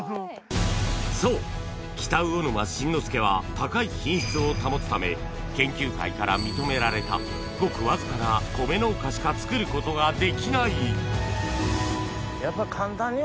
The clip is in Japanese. そう北魚沼新之助は高い品質を保つため研究会から認められたごくわずかな米農家しかつくることができないやっぱ。